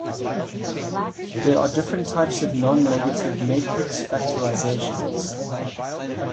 There are different types of non-negative matrix factorizations.